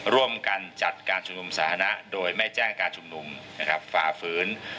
ร่วมกันจัดการชุมนุมสาธารณะโดยไม่แจ้งการชุมนุมนะครับฝ่าฝืน